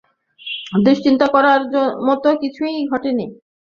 দুঃশ্চিন্তা করার মত কিছুই ঘটেনি।